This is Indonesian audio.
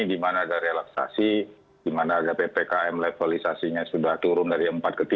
di mana ada relaksasi di mana harga ppkm levelisasinya sudah turun dari empat ke tiga